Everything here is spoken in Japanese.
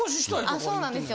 あそうなんですよ。